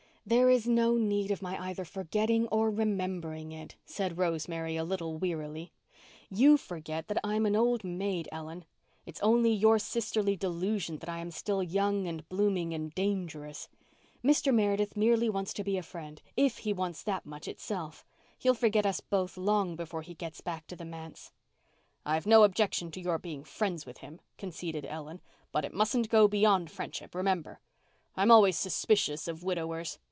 "There is no need of my either forgetting or remembering it," said Rosemary, a little wearily. "You forget that I'm an old maid, Ellen. It is only your sisterly delusion that I am still young and blooming and dangerous. Mr. Meredith merely wants to be a friend—if he wants that much itself. He'll forget us both long before he gets back to the manse." "I've no objection to your being friends with him," conceded Ellen, "but it musn't go beyond friendship, remember. I'm always suspicious of widowers.